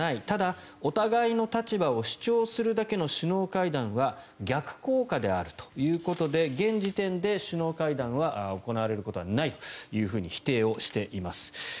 ただ、お互いの立場を主張するだけの首脳会談は逆効果であるということで現時点で首脳会談は行われることはないと否定をしています。